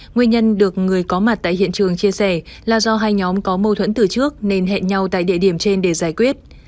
nguyên nhân được người có mặt tại hiện trường chia sẻ là do hai nhóm có mâu thuẫn từ trước nên hẹn nhau tại địa điểm trên để giải quyết